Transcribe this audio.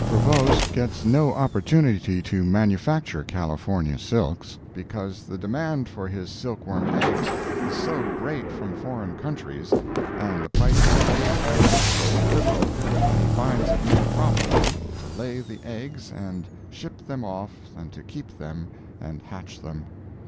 Prevost gets no opportunity to manufacture California silks, because the demand for his silkworm eggs is so great from foreign countries, and the prices paid him so liberal, that he finds it more profitable to lay the eggs and ship them off than to keep them and hatch them.